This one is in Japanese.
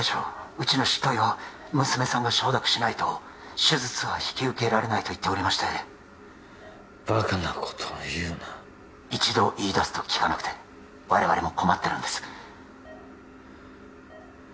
うちの執刀医は娘さんが承諾しないと手術は引き受けられないと言っておりましてバカなことを言うな一度言いだすと聞かなくて我々も困ってるんです